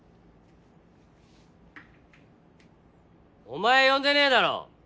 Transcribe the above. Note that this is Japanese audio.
お前呼んでねぇだろ。